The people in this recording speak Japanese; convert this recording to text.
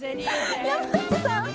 山内さん？